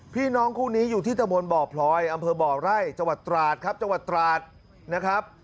พี่น้องคู่นี้อยู่ที่ตะบนบ่อพลอยอำเภอบ่อไร่จังหวัดตราดครับจังหวัดตราดนะครับ